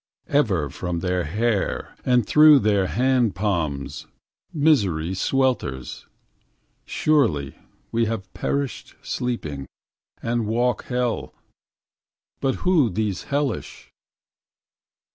Ever from their hair and through their hand palms Misery swelters. Surely we have perished Sleeping, and walk hell; but who these hellish?